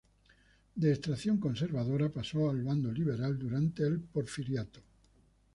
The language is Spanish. De extracción conservadora, pasó al bando liberal durante el porfiriato.